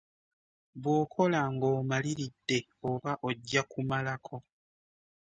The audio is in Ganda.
Bw'okola ng'omaliridde oba ojja kumalako.